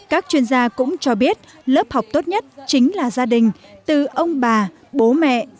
các chuyên gia cũng cho biết lớp học tốt nhất chính là gia đình từ ông bà bố mẹ